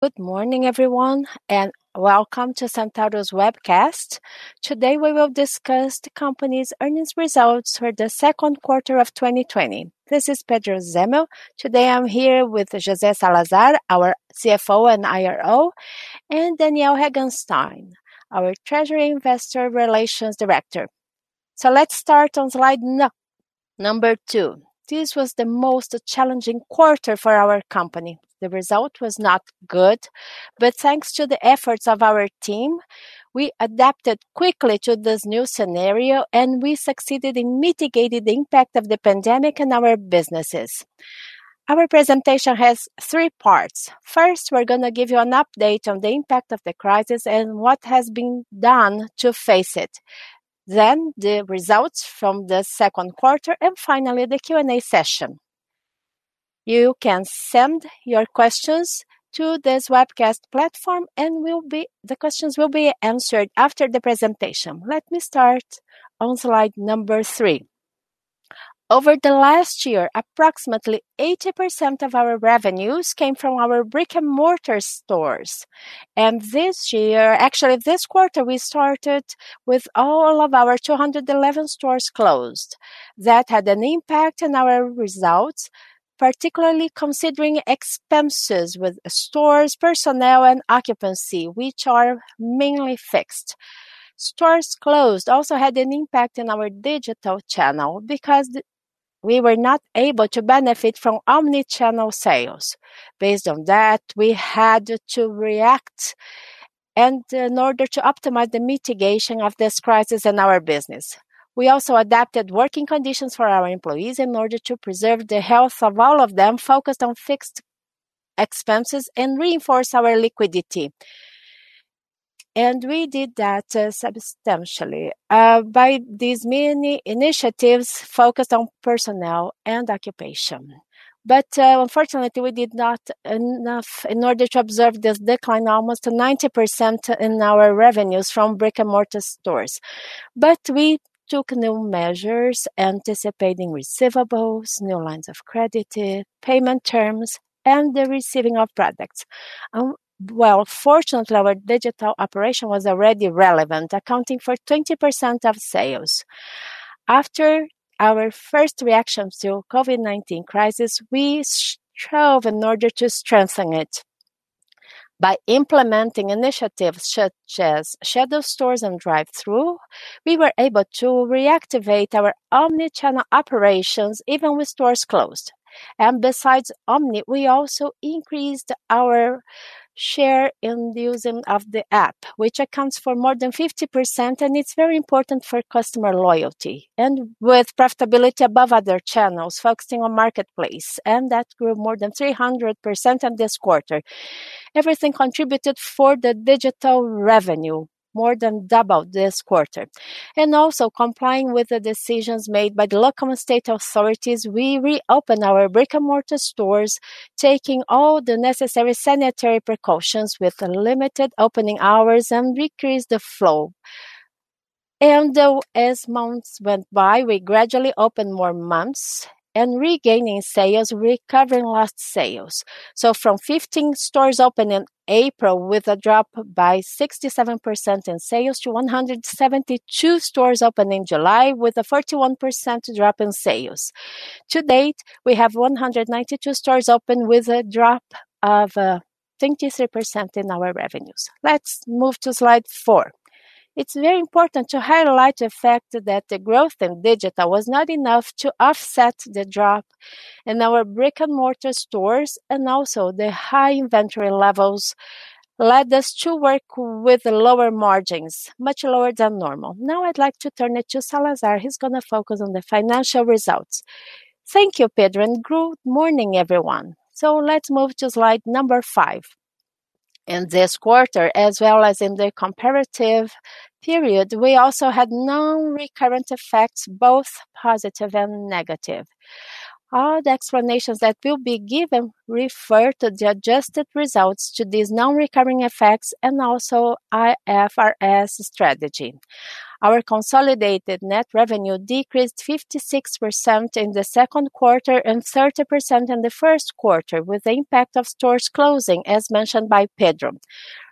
Good morning, everyone, and welcome to Centauro's webcast. Today, we will discuss the Company's Earnings Results for the Second Quarter of 2020. This is Pedro Zemel. Today, I'm here with José Salazar, our CFO and IRO, and Daniel Regensteiner, our Treasury Investor Relations Director. Let's start on slide number two. This was the most challenging quarter for our company. The result was not good, but thanks to the efforts of our team, we adapted quickly to this new scenario, and we succeeded in mitigating the impact of the pandemic in our businesses. Our presentation has three parts. First, we're going to give you an update on the impact of the crisis and what has been done to face it, then the results from the second quarter, and finally, the Q&A session. You can send your questions to this webcast platform, and the questions will be answered after the presentation. Let me start on slide number three. Over the last year, approximately 80% of our revenues came from our brick-and-mortar stores. This year, actually this quarter, we started with all of our 211 stores closed. That had an impact on our results, particularly considering expenses with stores, personnel, and occupancy, which are mainly fixed. Stores closed also had an impact on our digital channel because we were not able to benefit from omni-channel sales. Based on that, we had to react, and in order to optimize the mitigation of this crisis in our business. We also adapted working conditions for our employees in order to preserve the health of all of them, focused on fixed expenses, and reinforce our liquidity. We did that substantially by these many initiatives focused on personnel and occupation. Unfortunately, we did not enough in order to absorb this decline almost to 90% in our revenues from brick-and-mortar stores. We took new measures anticipating receivables, new lines of credit, payment terms, and the receiving of products. Fortunately, our digital operation was already relevant, accounting for 20% of sales. After our first reactions to COVID-19 crisis, we strove in order to strengthen it. By implementing initiatives such as shadow stores and drive-thru, we were able to reactivate our omni-channel operations even with stores closed. Besides omni, we also increased our share in the use of the app, which accounts for more than 50%, and it's very important for customer loyalty and with profitability above other channels, focusing on marketplace, and that grew more than 300% in this quarter. Everything contributed for the digital revenue, more than double this quarter. Also complying with the decisions made by the local and state authorities, we reopened our brick-and-mortar stores, taking all the necessary sanitary precautions with unlimited opening hours and decreased the flow. As months went by, we gradually opened more months and regaining sales, recovering lost sales. From 15 stores open in April with a drop by 67% in sales to 172 stores open in July with a 41% drop in sales. To date, we have 192 stores open with a drop of 23% in our revenues. Let's move to slide four. It's very important to highlight the fact that the growth in digital was not enough to offset the drop in our brick-and-mortar stores, and also the high inventory levels led us to work with lower margins, much lower than normal. Now, I'd like to turn it to Salazar, who's going to focus on the financial results. Thank you, Pedro, and good morning, everyone. Let's move to slide number five. In this quarter, as well as in the comparative period, we also had non-recurring effects, both positive and negative. All the explanations that will be given refer to the adjusted results to these non-recurring effects and also IFRS strategy. Our consolidated net revenue decreased 56% in the second quarter and 30% in the first quarter, with the impact of stores closing, as mentioned by Pedro.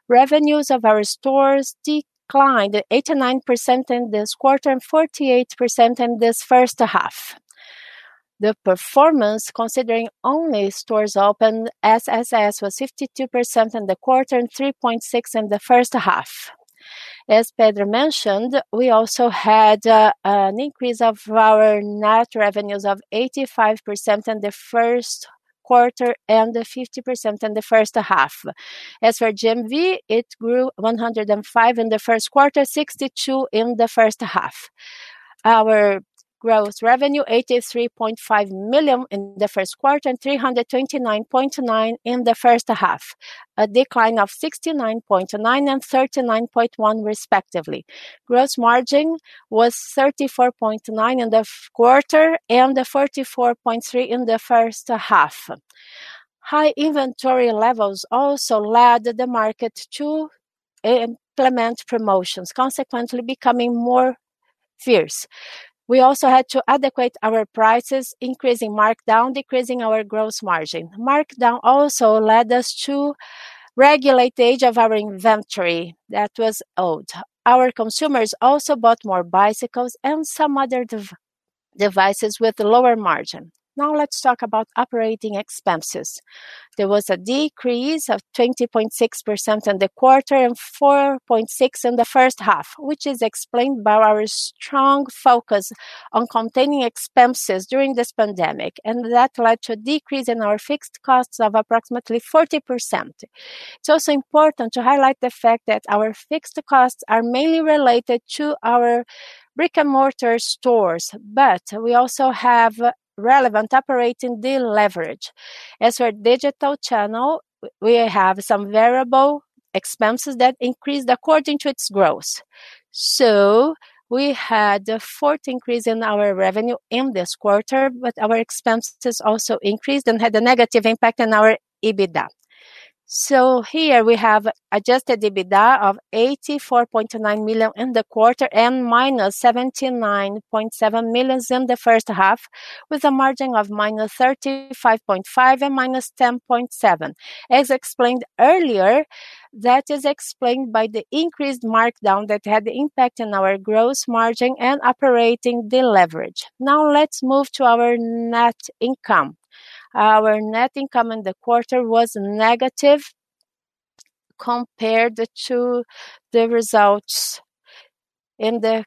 Revenues of our stores declined 89% in this quarter and 48% in this first half. The performance considering only stores open SSS was 52% in the quarter and 3.6% in the first half. As Pedro mentioned, we also had an increase of our digital revenues of 85% in the first quarter and 50% in the first half. As for GMV, it grew 105% in the first quarter, 62% in the first half. Our gross revenue, 83.5 million in the first quarter and 329.9 in the first half, a decline of 69.9% and 39.1% respectively. Gross margin was 34.9% in the quarter and 34.3% in the first half. High inventory levels also led the market to implement promotions, consequently becoming more fierce. We also had to adequate our prices, increasing markdown, decreasing our gross margin. Markdown also led us to regulate the age of our inventory that was old. Our consumers also bought more bicycles and some other devices with lower margin. Now let's talk about operating expenses. There was a decrease of 20.6% in the quarter and 4.6% in the first half, which is explained by our strong focus on containing expenses during this pandemic, and that led to a decrease in our fixed costs of approximately 40%. It's also important to highlight the fact that our fixed costs are mainly related to our brick-and-mortar stores, but we also have relevant operating deleverage. As for our digital channel, we have some variable expenses that increased according to its growth. We had a [fourth increase] in our revenue in this quarter, but our expenses also increased and had a negative impact on our EBITDA. Here we have adjusted EBITDA of 84.9 million in the quarter and -79.7 million in the first half, with a margin of -35.5% and -10.7%. As explained earlier, that is explained by the increased markdown that had impact on our gross margin and operating deleverage. Let's move to our net income. Our net income in the quarter was negative compared to the results in the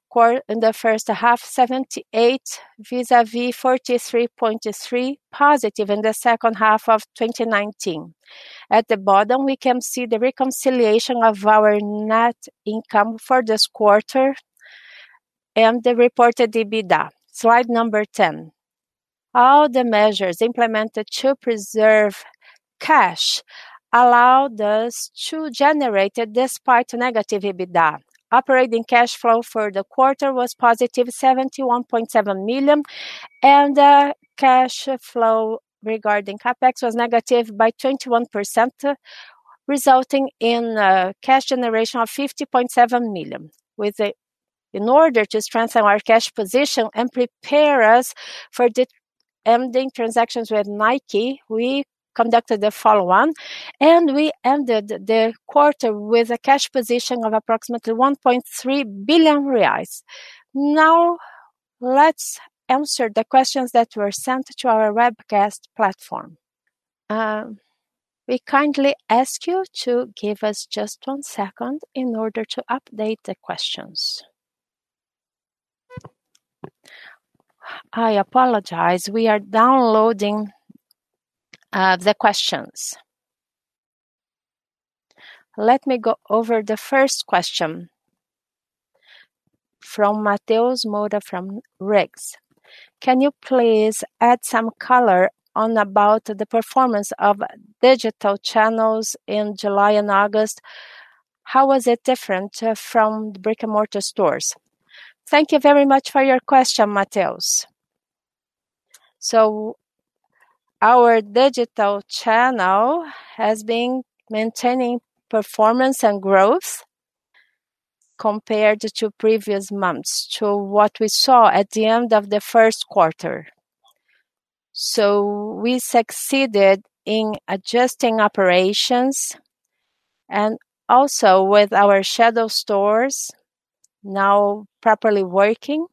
first half, 78 vis-a-vis 43.3+ in the second half of 2019. At the bottom, we can see the reconciliation of our net income for this quarter and the reported EBITDA. Slide number 10. All the measures implemented to preserve cash allowed us to generate despite negative EBITDA. Operating cash flow for the quarter was +71.7 million, and cash flow regarding CapEx was negative by 21%, resulting in cash generation of 50.7 million. In order to strengthen our cash position and prepare us for the ending transactions with Nike, we conducted the follow-on, and we ended the quarter with a cash position of approximately 1.3 billion reais. Let's answer the questions that were sent to our webcast platform. We kindly ask you to give us just one second in order to update the questions. I apologize. We are downloading the questions. Let me go over the first question from Mateus Moda from. Can you please add some color on the performance of digital channels in July and August? How was it different from brick-and-mortar stores? Thank you very much for your question, Mateus. Our digital channel has been maintaining performance and growth compared to previous months to what we saw at the end of the first quarter. We succeeded in adjusting operations and also with our shadow stores now properly working.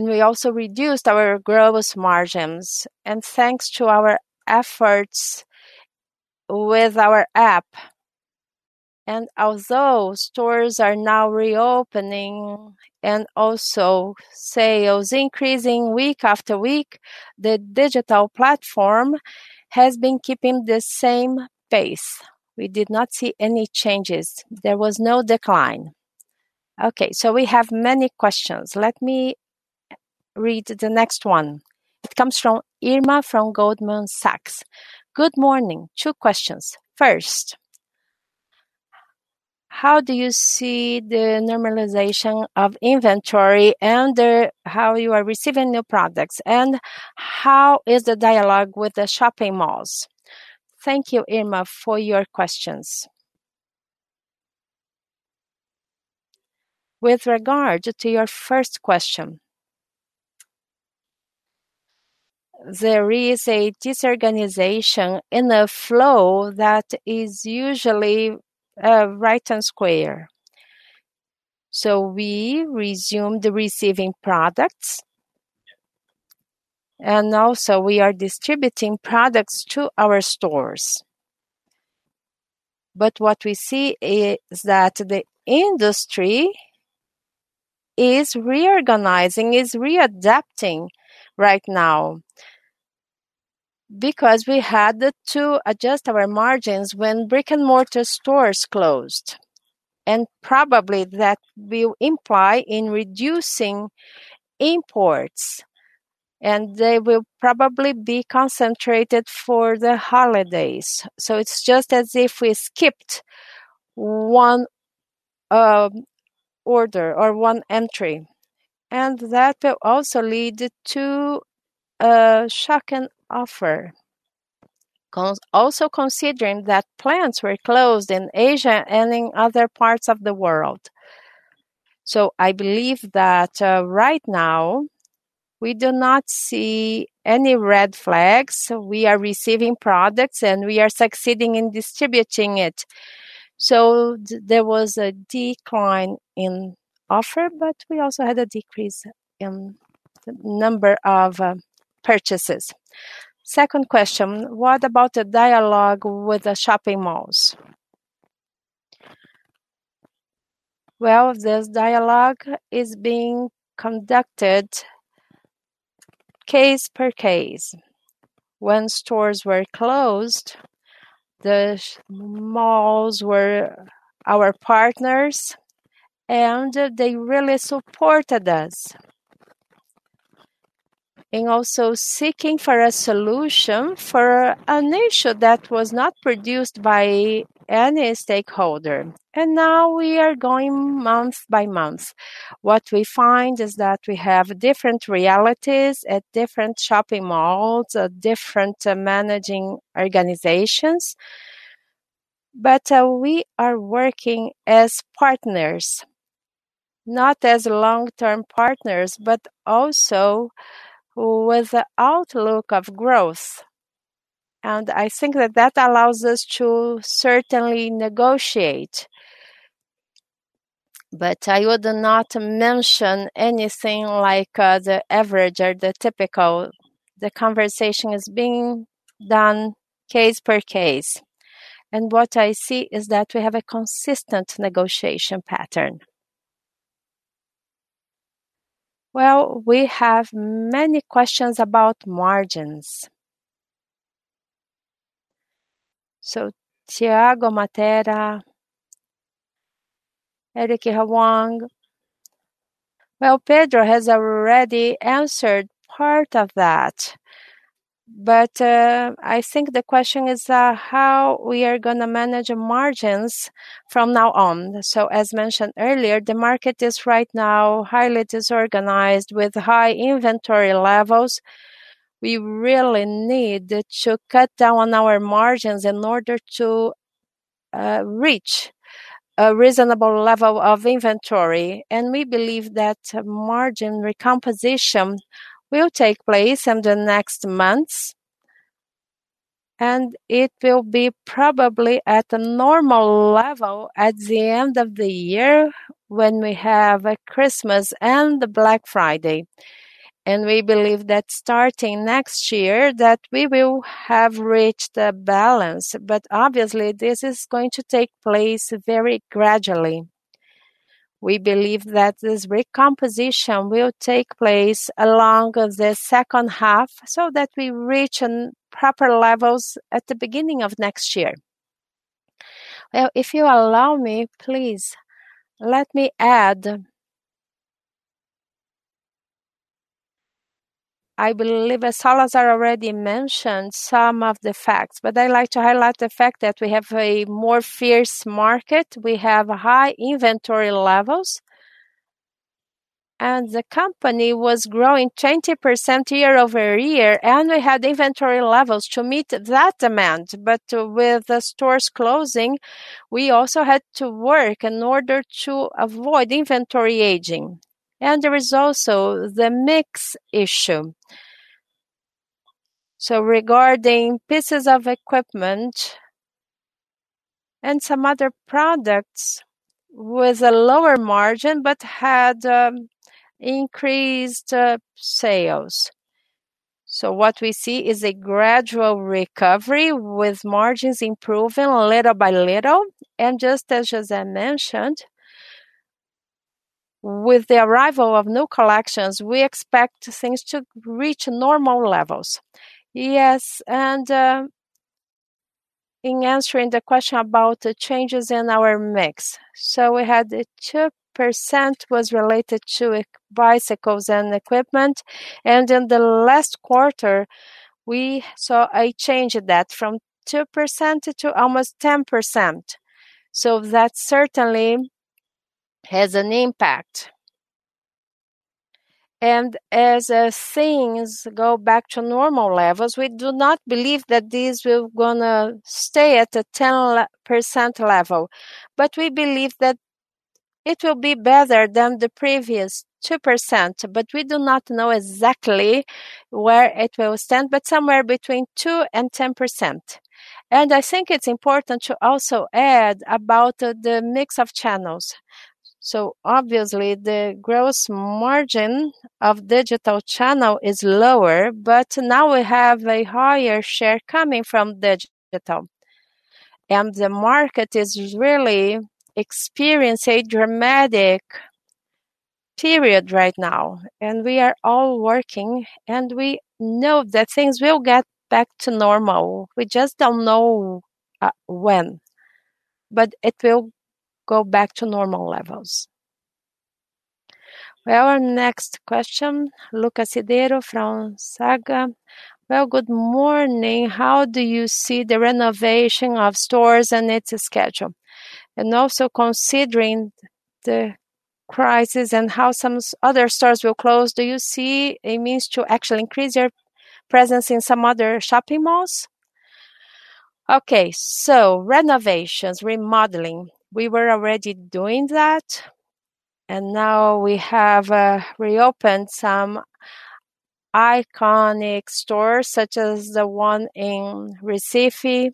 We also reduced our gross margins. Thanks to our efforts with our app. Although stores are now reopening and also sales increasing week after week, the digital platform has been keeping the same pace. We did not see any changes. There was no decline. We have many questions. Let me read the next one. It comes from Irma from Goldman Sachs. Good morning. Two questions. First, how do you see the normalization of inventory and how you are receiving new products, and how is the dialogue with the shopping malls? Thank you, Irma, for your questions. With regard to your first question, there is a disorganization in the flow that is usually right and square. We resumed receiving products, and also we are distributing products to our stores. What we see is that the industry is reorganizing, is readapting right now because we had to adjust our margins when brick-and-mortar stores closed. Probably that will imply in reducing imports, and they will probably be concentrated for the holidays. It's just as if we skipped one order or one entry. That will also lead to a shock in offer. Also considering that plants were closed in Asia and in other parts of the world. I believe that right now we do not see any red flags. We are receiving products and we are succeeding in distributing it. There was a decline in offer, but we also had a decrease in the number of purchases. Second question, what about the dialogue with the shopping malls? This dialogue is being conducted case per case. When stores were closed, the malls were our partners and they really supported us. In also seeking for a solution for an issue that was not produced by any stakeholder. Now we are going month by month. What we find is that we have different realities at different shopping malls, different managing organizations, but we are working as partners, not as long-term partners, but also with the outlook of growth. I think that allows us to certainly negotiate. I would not mention anything like the average or the typical. The conversation is being done case per case. What I see is that we have a consistent negotiation pattern. Well, we have many questions about margins. Tiago Matera, Eric Huang. Well, Pedro has already answered part of that. I think the question is how we are going to manage margins from now on. As mentioned earlier, the market is right now highly disorganized with high inventory levels. We really need to cut down on our margins in order to reach a reasonable level of inventory. We believe that margin recomposition will take place in the next months, and it will be probably at a normal level at the end of the year when we have Christmas and Black Friday. We believe that starting next year that we will have reached a balance, but obviously this is going to take place very gradually. We believe that this recomposition will take place along the second half so that we reach proper levels at the beginning of next year. Well, if you allow me, please let me add. I believe as Salazar already mentioned some of the facts, but I like to highlight the fact that we have a more fierce market. We have high inventory levels. The company was growing 20% year-over-year, and we had inventory levels to meet that demand. With the stores closing, we also had to work in order to avoid inventory aging. There is also the mix issue. Regarding pieces of equipment and some other products with a lower margin but had increased sales. What we see is a gradual recovery with margins improving little by little. Just as José mentioned, with the arrival of new collections, we expect things to reach normal levels. In answering the question about the changes in our mix. We had 2% was related to bicycles and equipment, and in the last quarter, we saw a change of that from 2% to almost 10%. That certainly has an impact. As things go back to normal levels, we do not believe that this will going to stay at a 10% level. We believe that it will be better than the previous 2%, but we do not know exactly where it will stand, but somewhere between 2% and 10%. I think it's important to also add about the mix of channels. Obviously the gross margin of digital channel is lower, but now we have a higher share coming from digital. The market is really experiencing a dramatic period right now, and we are all working, and we know that things will get back to normal. We just don't know when. It will go back to normal levels. Well, our next question, Lucas Ceron from Safra. Well, good morning. How do you see the renovation of stores and its schedule? Also considering the crisis and how some other stores will close. Do you see a means to actually increase your presence in some other shopping malls? Okay. Renovations, remodeling. We were already doing that, and now we have reopened some iconic stores, such as the one in Recife.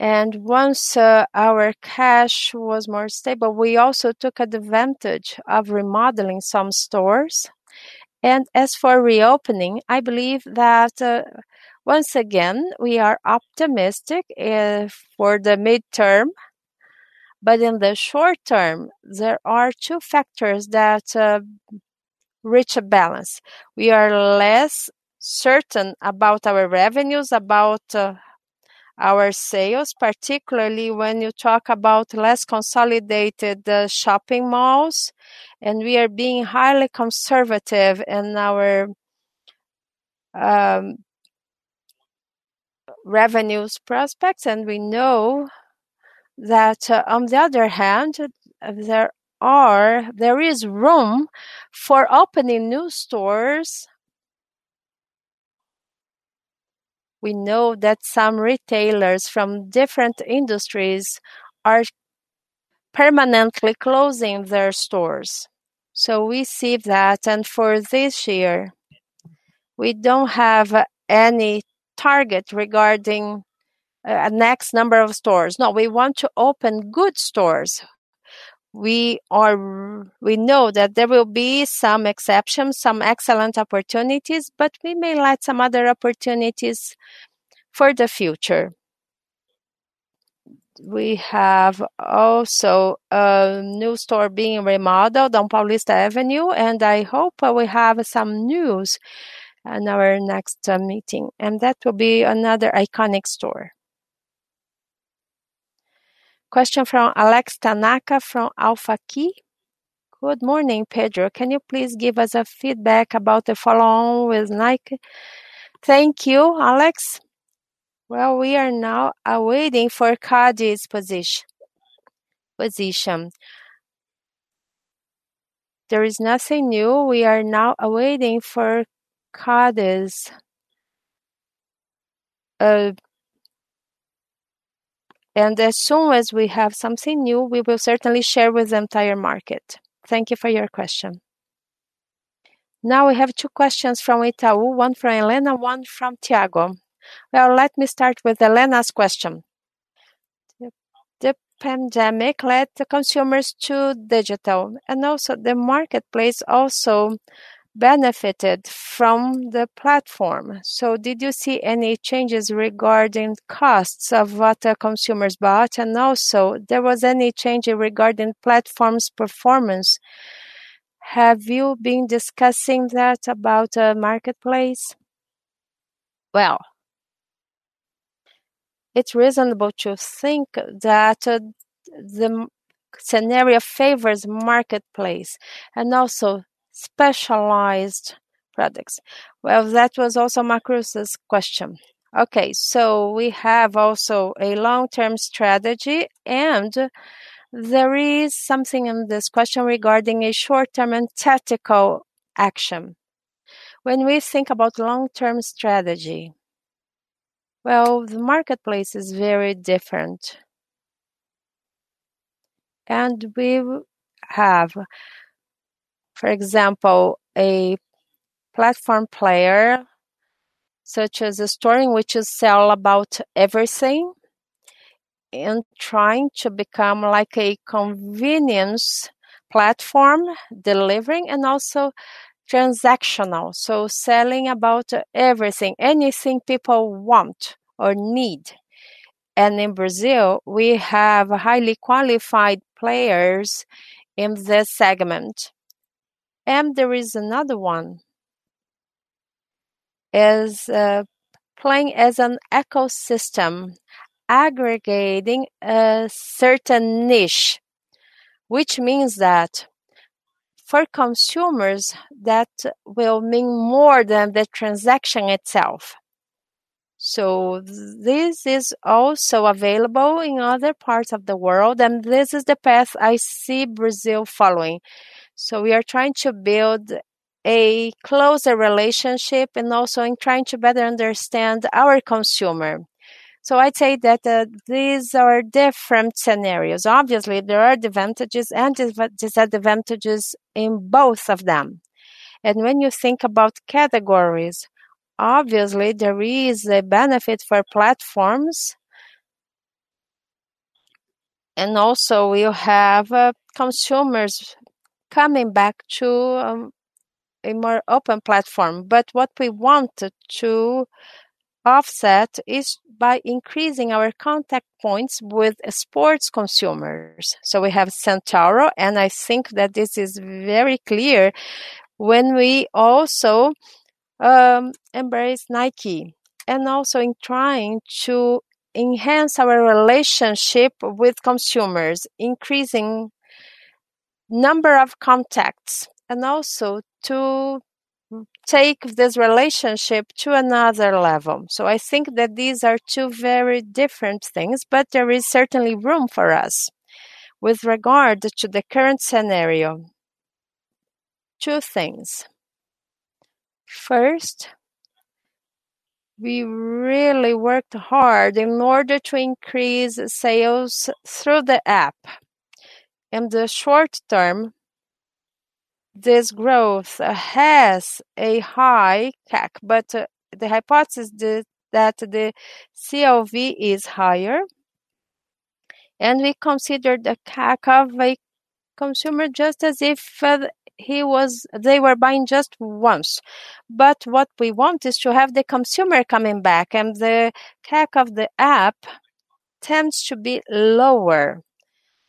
Once our cash was more stable, we also took advantage of remodeling some stores. As for reopening, I believe that once again, we are optimistic for the midterm, but in the short term, there are two factors that reach a balance. We are less certain about our revenues, about our sales, particularly when you talk about less consolidated shopping malls. We are being highly conservative in our revenue's prospects. We know that on the other hand, there is room for opening new stores. We know that some retailers from different industries are permanently closing their stores. We see that, and for this year, we don't have any target regarding a next number of stores. No, we want to open good stores. We know that there will be some exceptions, some excellent opportunities, but we may like some other opportunities for the future. We have also a new store being remodeled on Paulista Avenue, I hope we have some news in our next meeting. That will be another iconic store. Question from Alex Tanaka from AlphaKey. Good morning, Pedro. Can you please give us a feedback about the follow-on with Nike? Thank you, Alex. We are now waiting for CADE's position. There is nothing new. We are now waiting for CADE's. As soon as we have something new, we will certainly share with the entire market. Thank you for your question. We have two questions from Itaú, one from Helena, one from Thiago. Let me start with Helena's question. The pandemic led the consumers to digital, and also the marketplace also benefited from the platform. Did you see any changes regarding costs of what consumers bought? Also, there was any change regarding platform's performance. Have you been discussing that about marketplace? It's reasonable to think that the scenario favors marketplace and also specialized products. That was also Marcos' question. We have also a long-term strategy, and there is something in this question regarding a short-term and tactical action. When we think about long-term strategy, well, the marketplace is very different. We have, for example, a platform player such as a store in which you sell about everything and trying to become like a convenience platform delivering and also transactional. Selling about everything, anything people want or need. In Brazil, we have highly qualified players in this segment. There is another one, is playing as an ecosystem, aggregating a certain niche, which means that for consumers, that will mean more than the transaction itself. This is also available in other parts of the world, and this is the path I see Brazil following. We are trying to build a closer relationship and also in trying to better understand our consumer. I'd say that these are different scenarios. Obviously, there are advantages and disadvantages in both of them. When you think about categories, obviously there is a benefit for platforms. Also, you have consumers coming back to a more open platform. What we want to offset is by increasing our contact points with sports consumers. We have Centauro, and I think that this is very clear when we also embrace Nike. Also, in trying to enhance our relationship with consumers, increasing number of contacts, and also to take this relationship to another level. I think that these are two very different things, but there is certainly room for us. With regard to the current scenario, two things. First, we really worked hard in order to increase sales through the app. In the short term, this growth has a high CAC, but the hypothesis is that the CLV is higher, and we considered the CAC of a consumer just as if they were buying just once. What we want is to have the consumer coming back, and the CAC of the app tends to be lower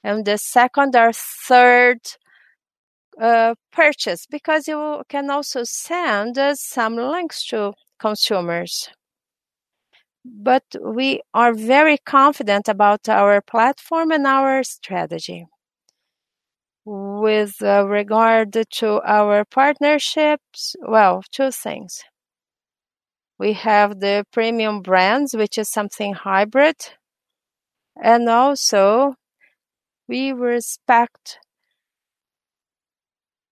in the second or third purchase, because you can also send some links to consumers. We are very confident about our platform and our strategy. With regard to our partnerships, well, two things. We have the premium brands, which is something hybrid, and also, we respect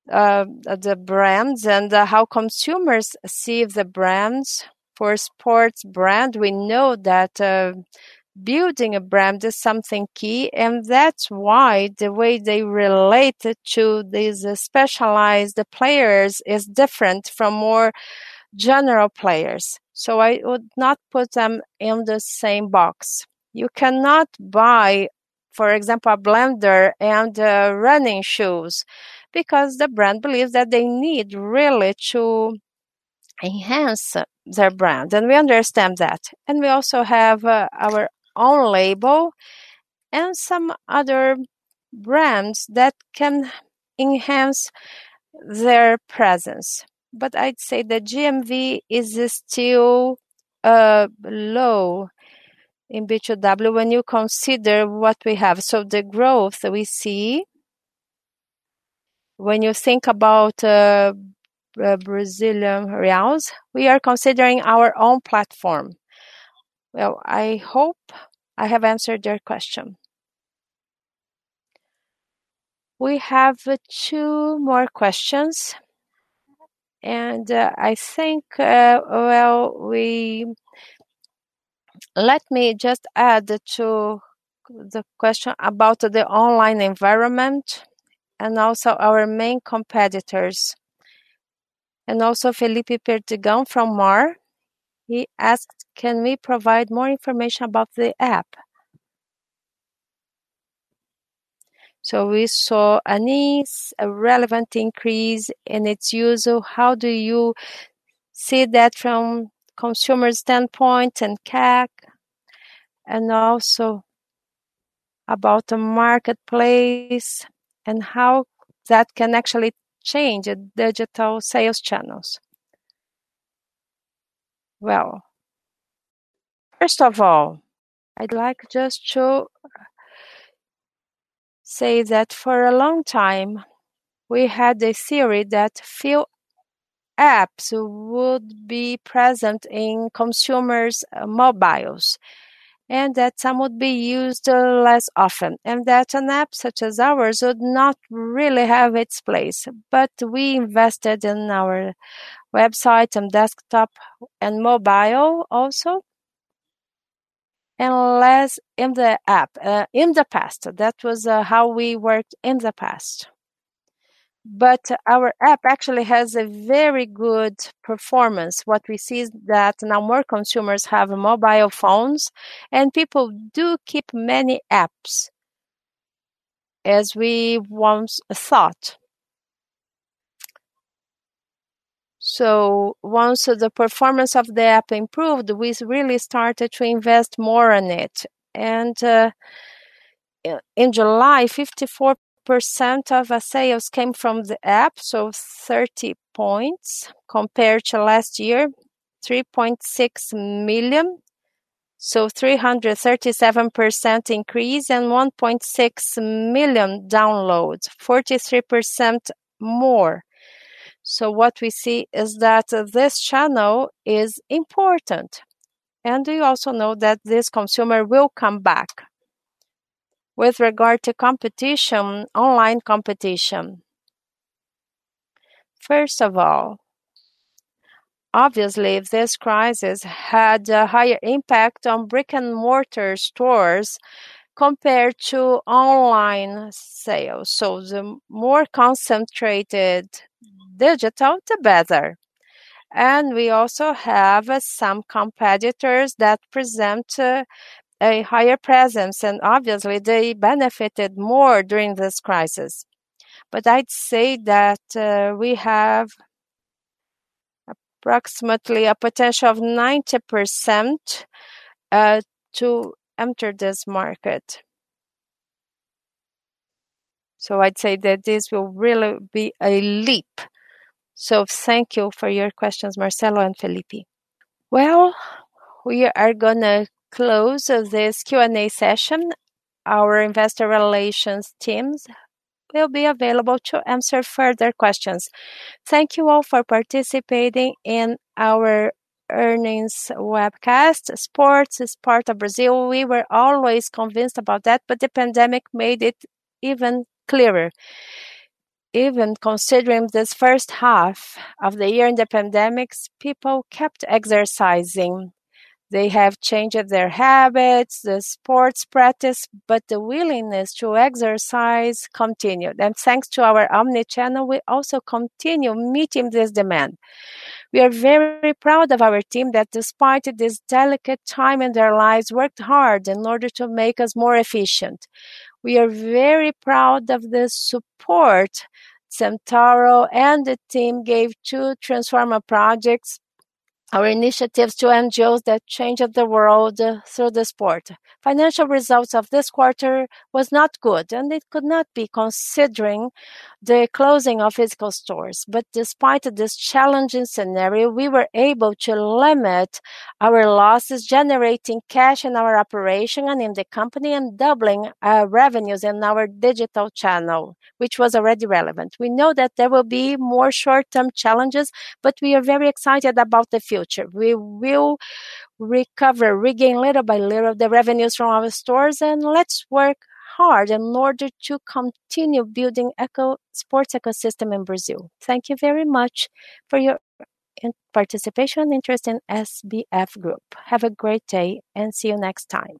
the brands and how consumers see the brands. For a sports brand, we know that building a brand is something key, and that's why the way they relate to these specialized players is different from more general players. I would not put them in the same box. You cannot buy, for example, a blender and running shoes, because the brand believes that they need really to enhance their brand. We understand that. We also have our own label and some other brands that can enhance their presence. I'd say the GMV is still low in B2W when you consider what we have. The growth we see when you think about Brazilian reals, we are considering our own platform. Well, I hope I have answered your question. We have two more questions. Let me just add to the question about the online environment and also our main competitors. Also, Philippe Perdigão from Mar Asset, he asked, can we provide more information about the app. We saw a relevant increase in its use. How do you see that from consumer standpoint and CAC? Also, about the marketplace and how that can actually change digital sales channels. Well, first of all, I'd like just to say that for a long time, we had a theory that few apps would be present in consumers' mobiles, and that some would be used less often, and that an app such as ours would not really have its place. We invested in our website and desktop and mobile also, and less in the app. In the past, that was how we worked in the past. Our app actually has a very good performance. What we see is that now more consumers have mobile phones, and people do keep many apps as we once thought. Once the performance of the app improved, we really started to invest more in it. In July, 54% of our sales came from the app, so 30 points compared to last year, 3.6 million. 337% increase and 1.6 million downloads, 43% more. What we see is that this channel is important. We also know that this consumer will come back. With regard to competition, online competition. First of all, obviously, this crisis had a higher impact on brick-and-mortar stores compared to online sales. The more concentrated digital, the better. We also have some competitors that present a higher presence, and obviously they benefited more during this crisis. I'd say that we have approximately a potential of 90% to enter this market. I'd say that this will really be a leap. Thank you for your questions, Marcelo and Philippe. Well, we are going to close this Q&A session. Our investor relations teams will be available to answer further questions. Thank you all for participating in our earnings webcast. Sports is part of Brazil. We were always convinced about that, but the pandemic made it even clearer. Even considering this first half of the year in the pandemic, people kept exercising. They have changed their habits, the sports practice, but the willingness to exercise continued. Thanks to our omni-channel, we also continue meeting this demand. We are very proud of our team that despite this delicate time in their lives, worked hard in order to make us more efficient. We are very proud of the support Centauro and the team gave to Transformer Projects, our initiatives to NGOs that changed the world through the sport. Financial results of this quarter was not good, and it could not be considering the closing of physical stores. Despite this challenging scenario, we were able to limit our losses, generating cash in our operation and in the company, and doubling our revenues in our digital channel, which was already relevant. We know that there will be more short-term challenges, but we are very excited about the future. We will recover, regain little by little the revenues from our stores, and let's work hard in order to continue building sports ecosystem in Brazil. Thank you very much for your participation and interest in Grupo SBF. Have a great day and see you next time.